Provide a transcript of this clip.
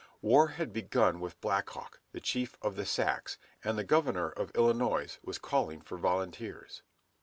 War had begun with Blackhawk, the chief of the Sacs, and the Governor of Illinois was calling for volunteers.